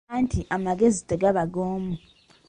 Anti amagezi tegaba g'omu.